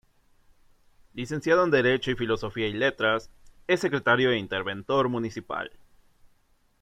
Licenciado en Derecho y Filosofía y Letras, es Secretario e Interventor municipal.